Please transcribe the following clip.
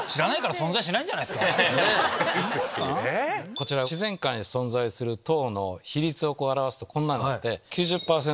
こちら自然界に存在する糖の比率を表すとこうなって９０％